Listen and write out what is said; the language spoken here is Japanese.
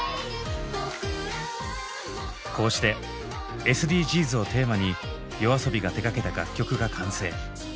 こうして「ＳＤＧｓ」をテーマにＹＯＡＳＯＢＩが手がけた楽曲が完成。